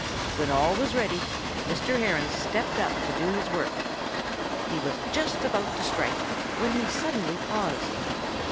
When all was ready Mr. Heron stepped up to do his work. He was just about to strike, when he suddenly paused.